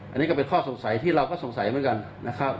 อันนี้ก็เป็นข้อสงสัยที่เราก็สงสัยเหมือนกันนะครับ